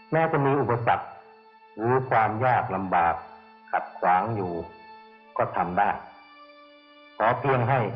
แม้จะมีอุปสรรคหรือความยากลำบากขัดขวางอยู่ก็ทำได้ขอเพียงให้